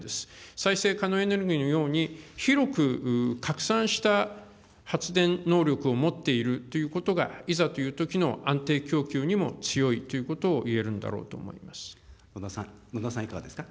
再生可能エネルギーのように、広く拡散した発電能力を持っているということが、いざというときの安定供給にも強いということを言野田さん、いかがですか。